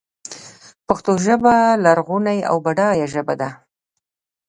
پښتو ژبه لرغونۍ او بډایه ژبه ده.